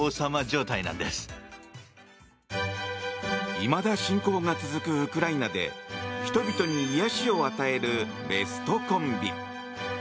いまだ侵攻が続くウクライナで人々に癒やしを与えるベストコンビ。